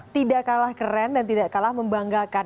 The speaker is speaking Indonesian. tidak kalah keren dan tidak kalah membanggakan